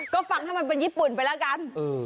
ก็ฟังให้มันเป็นญี่ปุ่นไปแล้วกัน